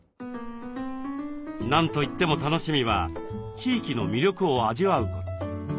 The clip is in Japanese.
何といっても楽しみは地域の魅力を味わうこと。